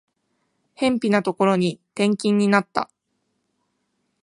辺ぴなところに転勤になった